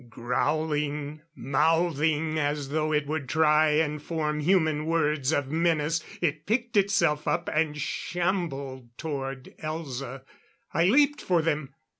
Growling, mouthing as though it would try and form human words of menace, it picked itself up and shambled toward Elza. I leaped for them.